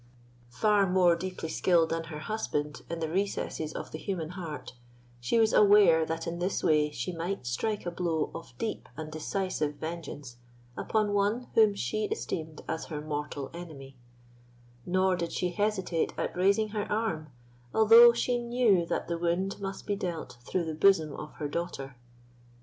Far more deeply skilled than her husband in the recesses of the human heart, she was aware that in this way she might strike a blow of deep and decisive vengeance upon one whom she esteemed as her mortal enemy; nor did she hesitate at raising her arm, although she knew that the wound must be dealt through the bosom of her daughter.